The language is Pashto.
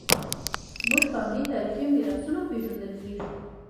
موږ په همدې تاریخي میراثونو پېژندل کېږو.